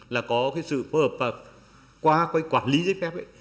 là có cái sự phối hợp qua cái quản lý giấy phép ấy